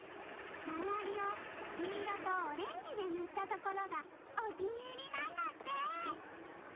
まわりをきいろとオレンジでぬったところがおきにいりなんだって！